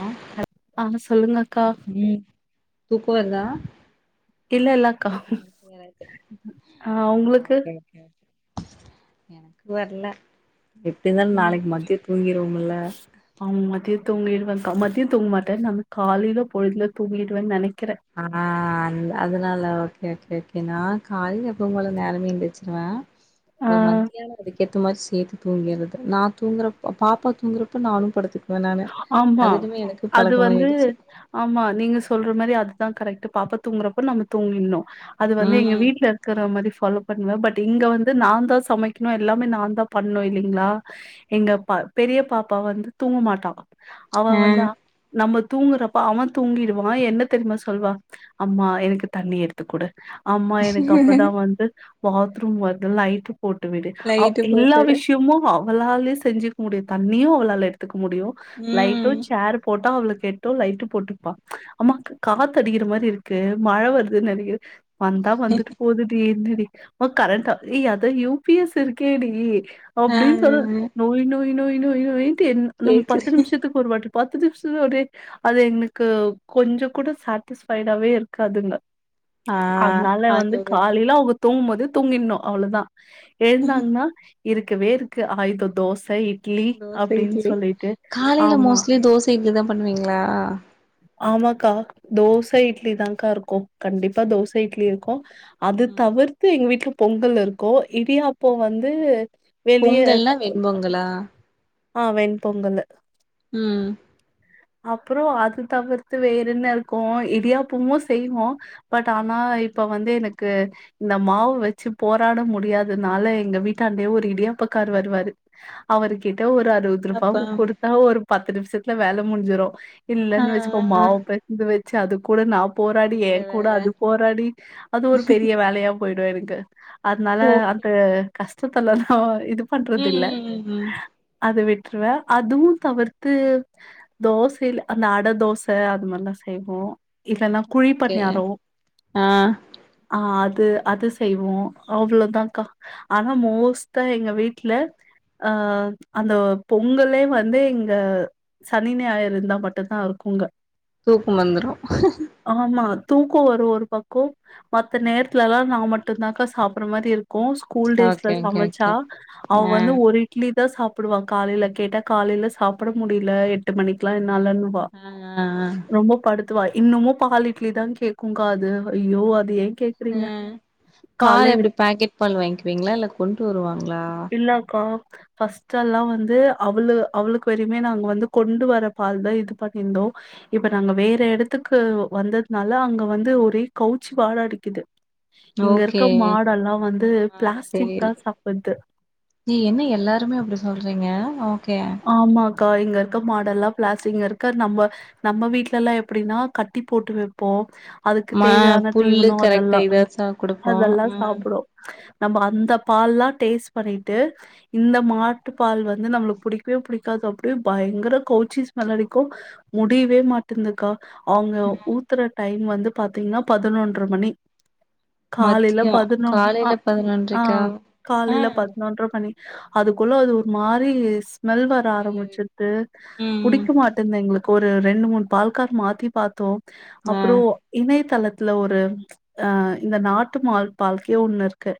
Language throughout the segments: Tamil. ஆ ஆஹ் சொல்லுங்க அக்கா தூக்க வருதா இல்ல இல்லக்கா [unintelligible] ஆ அ உங்களுக்கு ஓகே ஓகே எனக்கு வரல எப்டி இருந்தாலு ம் நாளைக்கு மதிய தூங்கிருவமுல்ல க மதிய தூங்க மாட்டே நா காலையில பொழுதுல தூங்கிடுவேன் நெனைக் ஆஹ் அ அதனால ஓகே கே ஓகே நா காலைல எப்பவும் போல நேரமே எந்திரிச்சிருவே ஆ ஒரு மதியான அதுக்கேத்த மாரி சேத்து தூங்கிர்றது நா தூங்கறப் பாப்பா தூங்குறப்ப நானு படுத்துக்கு ஆமா அது வந்து பழக்கமாயிடுச்சு ஆமா நீங்க சொல்ற மாரி அதுதா கரெக்ட் டு பாப்பா தூங்குறப்போ நம்ம தூங்கிட்ணு அது வந்து எங்க ம் வீட்ல இருக்குறா மாரி ஃபீ ஃபாலோ பண்ணுவ பட் இங்க வந்து நாந்தா சமைக்கணு எல்லாமே நாந்தா பண்ணு இல்லிங்ளா எங்க ப பெரிய பாப்பா வந்து தூங்க மாட்டா அவ ஆ வந்தா நம்ம தூங்குறப்ப அவ தூங்கிருவா என்ன தெரியுமா சொல்வா அம்மா எனக்கு தண்ணி எடுத்து குடு அம்மா எனக்கு அப்பதா வந்து பாத்ரூம் வருது லைட்டு போட்டு விடு அவ் லைட்டு எல்லா போட்டுடு விஷயமு ஔ வளாலே செஞ்சிக்க முடியு தண்ணியு அவளால எடுத்துக்க முடியு லைட்டு ம் சேர் போட்டா அவளுக் கேட்டு லைட்டு போட்டுப்பா அம்மா காத்தடிக்கிற மாரி இருக்கு மழ வருதுன் நெனக்கிற வந்தா வந்துட்டு போதுடி என்னடி மா கரண்ட்டா ஏ அத யு பி எஸ் இருக்கேடி ஆ அப்டின் சொல் நொய் நொ ய் நொய் நொய் நொய்ன் ட்டு என் நம் பத் து கேக்குது நிம்ஷத்துக் ஒரு வாட் [unintelligible] பத்து [unintelligible] அது எங்ளுக்கு கொஞ்சொ கூட சாட்டிஸ்ஃபைடாவே இருக்காதுங்க ஆ அத்னால அது வந்து ஒரு காலையில அவ்ங்க தூங்கும் போது தூங்கிருண்ணும் அவ்ளோதான். இருந்தாங்ன்னா இருக்கவே இருக்கு ஆயுத தோசை இட்லி தோச அப்படின் இட்லி சொல்லிட்டு காலையில ஆமா மோஸ்ட்லி தோச, இட்லி தான் பண்ணுவீங்களா? ஆமாக்கா தோச, இட்லி தான்க்கா இருக்கோ, கண்டிப்பா தோச, இட்லி இருக்கும் அது ம் தவிர்த்து எங்க வீட்டுல பொங்கல் இருக்கும், இடியாப்போ வந்து வெளிய பொங்கல்னா க- வெண்பொங்கலா? ஆ வெண் பொங்கல்லு. ம் அப்புறோ அது தவிர்த்து வேற என்ன இருக்கு இடியாப்பமும் செய்வோ, பட் ஆனா இப்ப வந்து எனக்கு இந்த மாவு வச்சு போராட முடியாததுனால எங்க வீட்டாண்டையே ஒரு இடியாப்பக்காரு வருவாரு, அவருக்கு ஏதோ ஒரு அறுவது ரூபாவ அப்பம் குடுத்தா ஒரு பத்து பத்து நிம்ஷத்துல வேல முடிஞ்சுரும். ஆ இல்லன்னு வச்சுக்கோ ஆ ஆ மாவ பெசஞ்சு வச்சு அது கூட நா ப் போராடி இவ்ளோ ஏன் கூட வேல அது போராடி அது ஒரு பெரிய வேலையா போய்டு எனக்கு க அத்னால ஓகே அந்த கஷ் இது பண்ணல இது ம் ம் ம் ம் விட்டுருவே, அதுவும் தவிர்த்து தோசில அந்த அடதோச அது மாரிலா செய்வோ. இதெல்லாம் குழி ஓகே பனியாரம், ஆ ஆ அது அது அது செய்வோம் அவ்வளவுதான்கா, ஆனா மோஸ்டா எங்க வீட்டுல ஆ அந்த பொங்கல்லே வந்து இங்க சனி, ஞாயிறு இருந்தா மட்டு தா இருக்குங்க‌. தூக்கம் வந்துரும் ஆமா தூக்கோ வரு ஒரு பக்கோ, மத்த நேரத்லெல்லா நா மட்டுதாகா சாப்புடுற மாரி இருக் ஸ்கூல் டேஸ்ல ஓகே ஓகே சமச்சா ஓகே அவ ஆ வந்து ஒரு இட்லி த சாப் புடுவா காலையில கேட்டா காலையில சாப்புட முடியல எட்டு மணிக்லா நல்லென்வா ஆ ஆ ஆ ரொம்ப படுத்து அதுவா இன்னமும் பால் இட்லி தா கேக்குங்காது ஐயோ அது ஏத் ம் பால் எப்படி பாக்கெட் பால் வாங்கிக்குவீங்களா இல்ல கொண்டு வருவாங்களா பஸ் ட் எல்லா வந்து அவளு அவளுக்கு வேறுமே நாங்க வந்து கொண்டு வர பால் தா இது பண்ணியிருந்தோம் இப்ப நாங்க வேற இடத்துக்கு வந்ததுனால அங்க வந்து ஒரே கவுச்சி வாட அடிக்குது ஓகே இங்கருக்க மாடெல்லாம் வந்து மாடு பிளாஸ்டிக் தா செரியில்ல சாப்பிடுது சொல்கறீங்க ஓகே இங்கருக்க மாடெல்லாம் பிளாஸ்டிக் இங்கருக்க நம்ம நம்ம வீட்டுல எல்லாம் எப்படினா கட்டி போட்டு வைப்போம் அதுக்கு மா தேவையான புல்லு தீவனம் கரெக்டா அதெல்லா இதா சா குடுப்போ அதெல்லா ம் சாப்பிடும் நம்ம அந்த பால்லாம் டேஸ்ட் பண்ணிட்டு இந்த மாட்டு பால் வந்து நம்மளுக்கு புடிக்கவே பிடிக்காது அப்படியே பயங்கர கவுச்சி ஸ்மெல் அடிக்கும் முடியவே மாட்டேந்தக்கா அவங்க ம் ஊத்துற டைம் வந்து பாத்தீங்கன்னா பதினொன்ற மணி காலையில மத்தியோ பதினொ அ காலைல ஆ பதினொன்றைக்கா ஆ காலையில பதினொன்ற மணி அதுக்குள்ள அது ஒரு மாரி ஸ் ஸ்மெல் வர வெள்ளரி ஆரம்பிச்சுட்டு ம் ம் புடிக்க மாட்டேங்குது எங்களுக்கு ஒரு ரெண்டு மூணு பால்கார் மாத்தி பார்த்தோம் ஆ அப்றோ இணையதளத் இல ஒரு அஹ இந்த நாட்டு மாள் பால்கே ஒண்ணு இருக்கு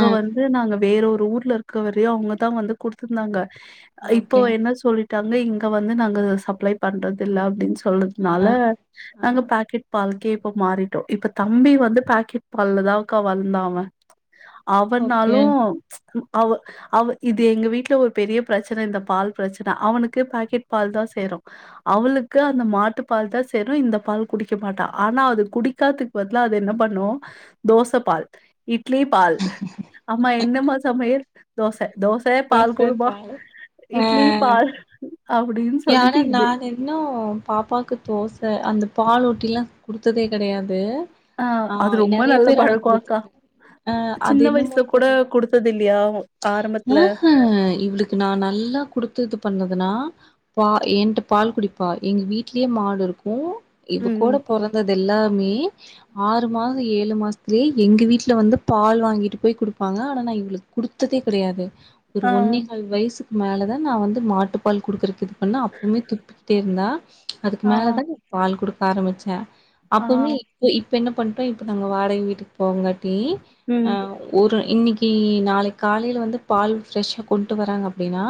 ஆ வந்து நாங்க வேற ஒரு ஊர்ல இருக்க வரையும் அவங்கதான் வந்து குடுத்துருந்தாங்க இப்போ ஓகே என்ன சொல்லிட் [unintelligible] இங்க வந்து நாங்க சப்ளை பண்றது இல்ல அப்டின் சொல் ஆ சொல்றதுனால ஆ நாங்க பாக்கெட் பால் கேப்ப மாறிட்டோம் இப்ப தம்பி வந்து பாக்கெட் பால்லதாக்கா வளந்தா அவன் ஓகே அவனாலும் அவ அவ இது எங்க வீட்டுல ஒரு பெரிய பிரச்சன இந்த பால் பிரச்சன அவனுக்கு பாக்கெட் பால் தான் சேரும் அவளுக்கு அந்த மாட்டு பால் தான் சேரும் இந்த பால் குடிக்க மாட்டா ஆனா அது குடிக்கதுக்கு பதிலா அதை என்ன பண்ணும் தோசை பால் இட்லி பால் அம்மா என்னமா சமையல் தோச தோச தோச பால்க் பாலு ஆ இட்லி பால் ஆமா [inaudible] நான் இன்னும் பாப்பாக்கு தோச அந்த பால்லொட்டிலா குடுத்ததே கெடையாது ஆஹ் ஆ அது ரொம்ப நெறைய நல்ல பேர் ஆனா பழக்கொ அக்கா குடுத்துருக்காங்க ஆ சின்ன வயசுல கூட குடுத்தது இல்லையா ஆரம்பத்துல ஆஹ்ஹ இவளுக்கு நா நல்லா குடுத்தது ப இருந்ததுனா பா என்ட பால் குடிப்பா எங்க வீட்லியே மாடு இருக்கு இவ கூட ம் பொறந்தது எல்லா மே ஆறு மாச ஏழு மாசத்திலே எங்க வீட்ல வந்து பால் வாங்கிட்டு போய் குடுப்பாங்க ஆனா நா இவ்ளுக் குடுத்ததே கெடையாது ஒரு ஆ ஒன்னேகால் வயசு மேலே தான் நா வந்து மாட்டுப்பால் குடுக்குறக்கு அப்பவுமே துப்பிகிட்டே இருந்தா அதுக்கு ஆ மேல தா பால் குடு க ஆரமிச்ச ஆ அப்பவுமே இப்பொ இ இப்ப என்ன பண்டோ இப்ப நாங்க வாடகை வீட்டுக் போங்காட்டி ம் டி ஒரு இன்னிக்கு [unintelligible] காலைல வந்து பால் ஃப்ரெஷ்ஷா கொண்ட்டு வராங்க அப்டின்னா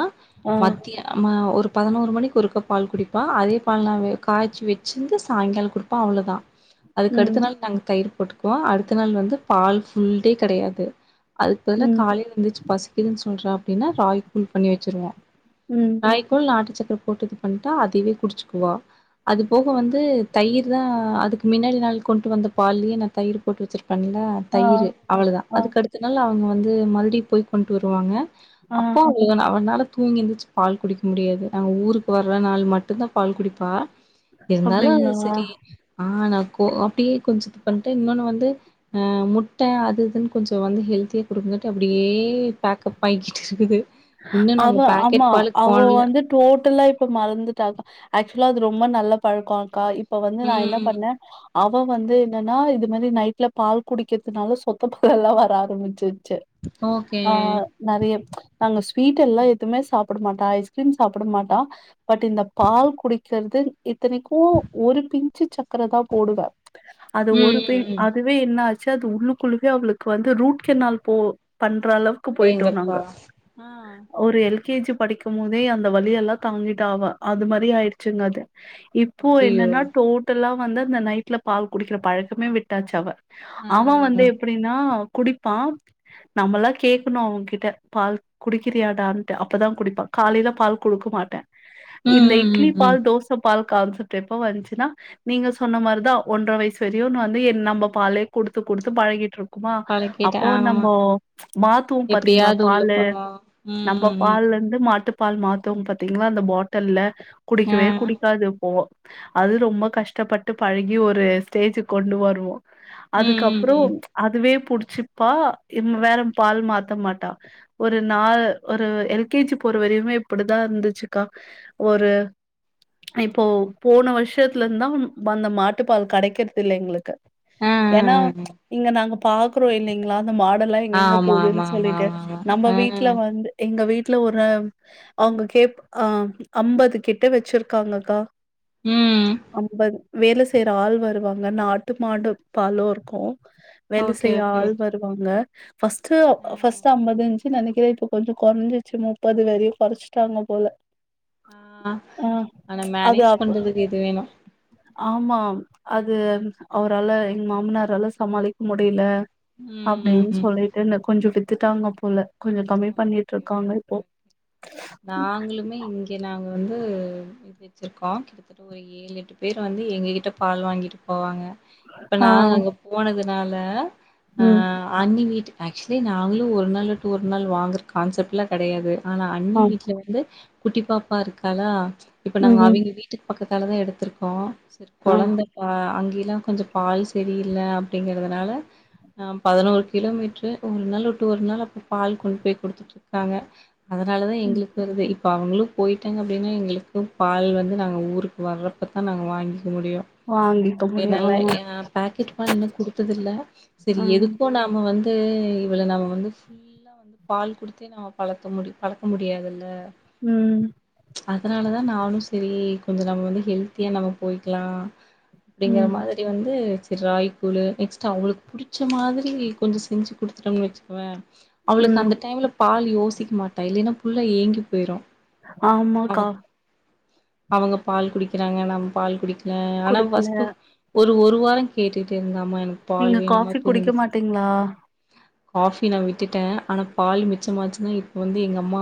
ஆ மத்திய ம ஒரு பதனோரு மணிக்கு ஒருக்க பால் குடிப்பா அதே பால் நா காய்ச்சு வெச்சின்டு சாயங்காலொ குடுப்ப அவ்ளோ தா ம் அதுக்கடுத்த நாள் நாங்க தயிர் போட்டுக்குவோ அடுத்த நாள் வந்து பால் ஃபுல்டே கெடையாது அதுக் ம் பதுல இருந்துச்சு பசிக்கிதுன் சொல்றா அப்டின்னா ராகி கூல் பண்ணி வெச்சிருவ ம் ராயீகூல் நாட்டுச்சக் போட்டுதுபண்டா அதவே குடிச்சுக்குவ அது போக வந்து தயிர் தா அதுக்கு மின்னாடி நாள் கொண்டு வந்த பால்லயே நா தயிர் போட்டு வெச்சுரு பண்ணல ஆ தயிர் அவ்ளதா ஆ அதுக்கடுத்தனாள் அவ [unintelligible] ந்து மருபுடியு போய் பண்ட்டு வருவாங்க ஆ அப்போ [unintelligible] அவனால தூங்கி எந்துச்சு பால் குடிக்க முடியாது நாங்க ஊருக்கு வர்ற நாள் மட்டுந்தா பால் குடிப்பா இருந்தாலு அது அப்டிங்களா செரி ஆனா கோ அப்டியே கொஞ்சொ இது பண்ணிட்டு இன்னொன்னு வந்து ஆஹ் முட்ட அது இதுன்னு கொஞ்சொ வந்து ஹெல்த்தியா கொடுகுங்காட்டி அப்டியே பேக்கப் ஆயிக்கிட்டு இருக்குது இன்னு அவ நாங்க ஆமா பாக்கெட் பாலுக்கு அவ போனல வந்து டோட்டலா இப்ப மறந்துடாக்கா ஆக்சுவலா அது ரொம்ப நல்ல பழகோ அக்கா இப்ப வந்து நா என்ன ம் பண்ணே அவ வந்து என்னன்னா இது மாரி நைட்ல பால் குடிக்கிறதுனால சொத்த பால எல்லா வர ஆரம்பிச்சு செரி ஓகே ஆ நறைய அங்க ஸ்வீட் எல்லா எதுவுமே சாப்ட மாட்டா ஐஸ்கிரீம் சாப்ட மாட்டா பட் இந்த பால் குடிக் கிறது இத்தனைகூ ஒரு பிஞ்சு சக்கர தா போடுவே அது ம் ஒரு ம் பின் ம் அதுவே என்னச் ச அது உள்ளுக்குள்ளவே அவளுக்கு வந்து ரூட் கெனால் போ பண் க்ற அளவுக்கு போயிட்டோ அடேங்கப்பா நாங்க ஆ ஒரு எல் கே ஜி படிக்கும் போதே அந்த வழி எல்லா தாங்கிட்டாவ அது மாரி ஆயிடுச்சுங்கது இப்போ ஐயயோ என்னன்னா டோட்டலா வந்து அந்த நைட்ல பால் குடிக்கிற பழக்கமே விட்டாச்சு அவ ஆ அவ வந்து எப்டின்னா குடிப்பா நம்மலா கேக்கணு அவங்கிட்ட பால் குடிக்கிறியாடான்ட்டு அப்பதா குடிப்பா காலைல பால் குடுக்க மாட்ட ம் இந்த ம் இட்லி ம் ம் பால் தோச பால் கான்செப்ட் எப்ப வந்ச்சுன்னா நீங்க சொன்ன மாரிதா ஒன்றர வய்சு வரையோ நா வந்து என் நம்ப பாலே குடுத்து குடுத்து பழகிட்டு இருக் குமா பழக்கிட்ட அப்போ ஆமா நம்போ மாத்துவோ பாத்தீங்ளா எப்டியாவது உள்ள பாலு போனு நம்ப ம் பால்லருந்து மாட்டு பால் மாத்தும் பாத்தீங்களா அந்த பாட்டல்ல ம் ம் ஆ குடிக்கவே குடிக்காது போ அது ரொம்ப கஷ்டப்பட்டு பழகி ஒரு ஸ்டேஜ்கு கொண்டு வருவோ ம் ம் அதுகப்றோ ம் அதுவே புடிச்சிப்பா ம் வேற பால் மாத்த மாட்டா ஒரு நாள் ஒரு எல் கே ஜி போற வரயுமே இப்டிதா இருந்துச்சு கா ஒரு இப்போ போன வருஷத்துலருந்தா வந்த மாட்டு பால் கடைக்கிறத்து இல்ல எங்ளுக்கு ஆ ஆ என்னா ஆ. இங்க நாங்க பாக்றோ இல்லைங்களா அந்த மாடெல்லா எங்கெங்க ஆமா ஆமா போகுதுன் ஆமா சொல்லிட்டு ஆமா ஆமா நம்ப ஆ வீட்டு்ல வந்து ஏ ங்க வீட்டுல ஒரு அவங்க கேப் ஆ அம்பது கிட்ட வச்சிருக்காங்கக்கா ம் அம்பது வேலை செய்ற ஆள் வருவாங்க நாட்டு மாடுப்பாலு இருக்கு வேலை ஓகே செய்ய ஓகே ஆள் ஓகே வருவாங்க ஃபஸ்ட் ஆ ஃபஸ்ட் அம்பது சு அன்னைக்கு ரேட் கொஞ்ச குறைஞ்சிருச்சு முப்பது வரையு குறைச்சிட்டாங்க போல ஆஹ் ஆ ஆனா அது மேனேஜ் அப்ப பண்றதுக்கு இது வேணு ஆமா அது அவரால எங்க மாமனாரால சமாளிக்க முடியல ம் ம் அப்படின்னு ம் சொல்லிட்டு இன்னும் கொஞ்ச வித்துட்டாங்க போல கொஞ்சம் கம்மி பண்ணிட்டு இருக்காங்க இப்போ. நாங்களுமே இங்க நா வந்து இது வச்சருக்கோ கிட்டத்தட்ட ஒரு ஏழு எட்டு பேர் வந்து எங்க கிட்ட பால் வாங்கிட்டு போவாங்க இப்ப ஆ, நாங்க அங்க போனது னால ம், அஹ் அண்ணி வீட்டு ஆக்சுவலி நாங்களு ஒரு நாள்ல டூர் அதனால வாங்குற கான்செப்ட்லா கிடையாது ஆனா அண்ணி ஆ, வீட்டுல வந்து குட்டி பாப்பா இருக்காளா இப்ப நாங்க ம்ஹ்ம். அவிங்க வீட்டுக் பக் கத்தாலதா எடுத்துருக்கோ செரி ஆ, கொழந்த ஆ அங்கயு கொஞ்ச பால் செரியில்ல அப்படிங்கறதுனால அ பதனோரு கிலோமீட்டரு ஒரு நாள் வுட்டு ஒரு நாள் அப்ப பால் கொண்டு போய் குடுத்துட்ருக்காங்க அதனாலதா ம். எங்களுக்கு வருதே இ ப்ப அவங்களு போயிட்டாங்க அப்படினா எங்களுக்கு பால் வந்து நாங்க ஊருக்கு வர்றப்பதா நாங்க வாங்கி க்க முடியு வாங்கிக்க முடியும். என்னால ஆ. எ பாக்கெட் பால் இன்னு குடுத்ததில்ல சேரி ம் எதுக்கு நாம வந் து இவள நாம வந்து ஃபுல்லா வந்து பால் குடுத்தே நாம பழத்த முடி பழக்க முடியாதில்ல ம் அதனாலதா நானு சேரி கொஞ்சோ நாம வந்து ஹெல்த்தியா நாம போய்க்கலா அப்டிங்கற ம் மாதிரி வந்து சேரி ராகிகூழு நெக்ஸ்ட் அவுங்களுக்கு புடிச்ச மாதிரி கொஞ்ச செஞ்சு குடுத்துட்டம்னு வச்சுக்குவே அவளுக்கு ம் அந்த டைம்ல பால் யோசிக்க மாட்டா இல்லேனா புள்ள ஏங்கி போயிரு ஆமாக்கா அவங்க பால் குடிக்கிறாங்க நம்ம பால் குடிக் ல ஆனா குடிக்கல ஃபர்ஸ்ட் ஒரு ஒரு வாரோ கேட்டுகிட்டே இருந்தா நீங்க காஃபி குடிக்க மாட்டிங்ளா காஃபி நா விட் டுட்ட ஆனா பால் மிச்சமாச்சுன்னா இப்ப வந்து எங்கம்மா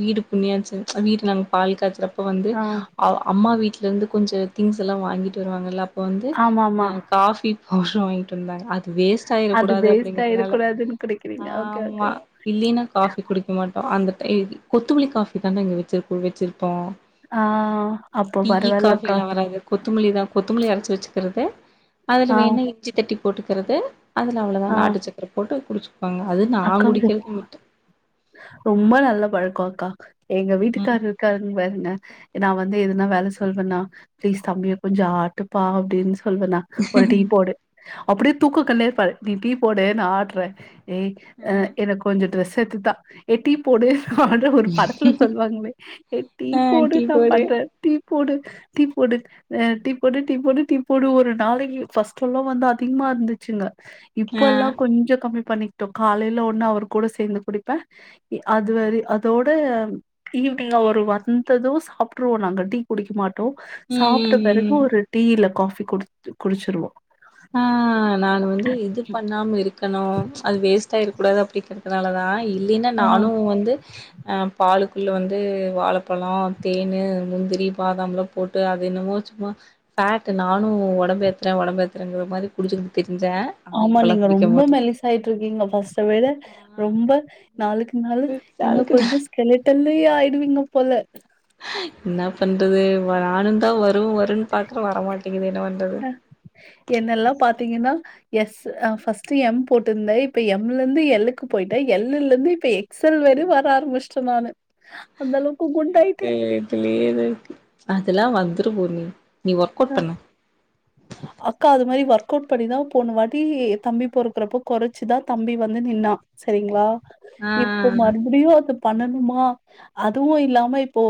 வீடு புணியாச்ச வீடு நாங்க பால் காய்ச்சறப் ப வந்து ஆ அ அம்மா வீட்ல இருந்து கொஞ்ச திங்ஸ் எல்லா வாங்கிட்டு வருவாங்கல்ல அப்ப வந்து ஆமாமா காஃபி பவ்டரு வாங்கிட்டு வந்தாங்க அது வேஸ்ட் அது ஆயிரக்கூடாது அப்டிங்கிறதுனால வேஸ்ட்டாயிடக்கூடாதுன்‌ குடிக்கிறிங் ஆமா இல்லினா காஃபி குடிக்க மாட்டோ அந்த கொத்தமுலி காஃபி தான இங்க வெச்சு வெச்சிருப்போ ஆ அப்போ டீ யு பரவால்லக்கா காஃபியெல்லா வராது கொத்தமுலிதா கொத்தமுலி அர ச்சு வெச்சிக்கிறது அதுல ஆ வேண்ணா இஞ்சி தட்டி போட்டுக்கறது அதனால ஆ தான் நாட்டுச்சக்கரை போட்டு குடிச்சு அக்கா ரொம்ப நல்ல பழக்கம்க்கா எங்க வீட்டுக்காரு இருக்காருங்க பாருங்க நான் வந்து எதனா வேலை சொல்வேன்னா பிளீஸ் தம்பியை கொஞ்சம் ஆட்டுப்பா அப்படின்னு சொல்லுங்க அண்ணாஒரு டீ போடு அப்படியே தூக்க கண்ணுலேயே இருப்பார் நீ டீ போடு நான் ஆட்றே ஏ ம் எனக்கு கொஞ்சம் டிரஸ் [unintelligible] டி போடு அது ஒரு படத்துல சொல்லுவாங்களே என் டீ ஆ போடு டீ நான் பண்றேன் டீ போடு டீ போடு் டீ போடு டீ போடு டீ போடு டீ போடு டீ போடு ஒரு நாளைக்கு ஃபர்ஸ்டெல்லாம் வந்து அதிகமா இருந்துச்சுங்க ஆ இப்பெல்லாம் கொஞ்சம் கம்மி பன்னி காலையில ஒண்ணு அவர் கூட சேர்ந்து குடிப்பேன் அதுவ அதோட ஈவினிங் அவர் வந்ததும் சாப்பிட்டுருவோம் நாங்க டீ குடிக்க மாட்டோம் ம் சாப்பிட்ட ம் பிறகு ம் ஒரு டீ இல்ல காபி குடிச்சு குடிச்சுருவோம் ஆஹ ந நானு வந்து இது பண்ணாம இருக்கணு அது வேஸ்ட் ஆயிரக்கூடாது அப்படி அதனாலதா இ இல்லினா ஆ நானும் வந்து அஹ பாலுக்குள்ளே வந்து வாழப்பழம் தேனு முந்திரி பாதாம்லா போட்டு அது என்னமோ சும்மா ஃபேட்டு நானும் ஒடம்பு ஏத்றே உடம்பு ஏத் றங்கர மாரி குடிச்சுட்டு தி ஆமா நீங்க ரொம்ப மெல்லிசாயிட்டு இருக்கீங்க ஃபஸ்ட விட ஆ ரொம்ப நாளுக்கு நாளு இன்னு அதுக்கு தா கொஞ்சோ ஸ்கெலிட்டன் லி ஆயிடுவீங்க போல ஆய் இன்ன பண்றது வ நானுதா வ அ என்னெல்லா பாத்தீங்கன்னா எஸ் அ ம் ஃபஸ்ட்டு எம் போட்டுருந்தை இப்ப எம்ல இருந்து எல்லுக்கு போயிட்டே எல்லுல இருந்து இப்ப எக்ஸ்எல் வேறு வர ஆரம்பிச்சிட்டே நானு அந்த அளவுக்கு எ குண்டாயிட்டேன். எ எத்திலே எனன இருக்கு அதெல்லா வந்துரு பூர்ணி நீ ஒர்க் அவுட் ஹ பண்ணு அக்கா அது மாரி வர் கோட்படிதா போன வாட்டி தம்பி பொறக்குறப்போ கொறச்சிதா தம்பி வந்து நின்னா சரிங்களா ஆ இப்போ ஆ ஆ மறுபடியு அது பண்ணணுமா அதுவு இல்லாம இப்போ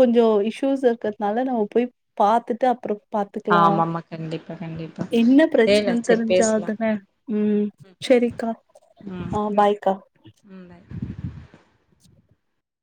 கொஞ்சோ இஷ்யூஸ் இருக்கிறதுனால நம்ம போய் பாத்து த அப்புறோ பாத்துகலா ஆமாமா கண்டிப்பா கண்டிப்பா என்ன சேரிடா பிரச்சனன் சேரி பேசலா தெரிஞ்தான உம் செரிக்கா ம் ஆஹ பாய்கா ம் பாய்